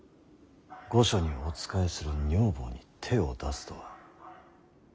御所にお仕えする女房に手を出すとは。